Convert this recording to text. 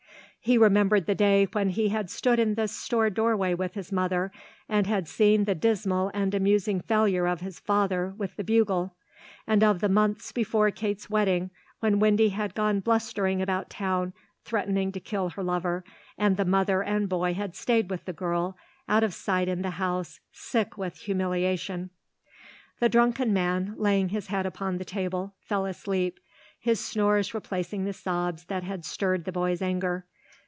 He remembered the day when he had stood in the store doorway with his mother and had seen the dismal and amusing failure of his father with the bugle, and of the months before Kate's wedding, when Windy had gone blustering about town threatening to kill her lover and the mother and boy had stayed with the girl, out of sight in the house, sick with humiliation. The drunken man, laying his head upon the table, fell asleep, his snores replacing the sobs that had stirred the boy's anger.